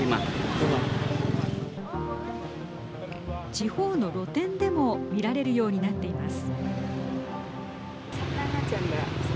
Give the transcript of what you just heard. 地方の露店でも見られるようになっています。